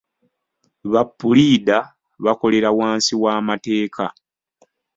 Ba puliida bakolera wansi w'amateeka.